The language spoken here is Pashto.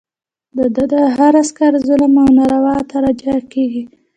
د ده د هر عسکر ظلم او ناروا ده ته راجع کېږي.